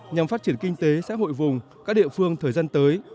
nhằm phát triển kinh tế xã hội vùng các địa phương thời gian tới